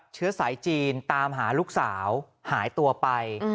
เชื้อสายจีนตามหาลูกสาวหายตัวไป